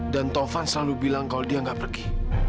dan taufan selalu bilang kalau dia enggak pergi